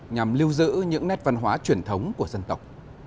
nhằm lưu giữ những nét văn hóa truyền thống của dân tộc